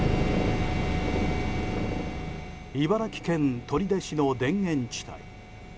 茨城県取手市の田園地帯。